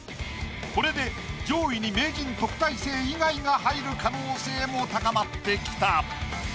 これで上位に名人・特待生以外が入る可能性も高まってきた。